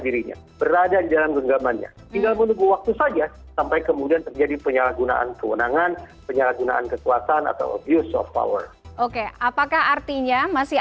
dirinya berada di dalam genggamannya